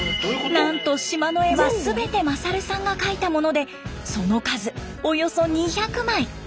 なんと島の絵は全て勝さんが描いたものでその数およそ２００枚。